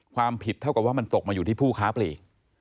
ความผิดเท่ากับว่ามันตกมาอยู่ที่ผู้ค้าปลีก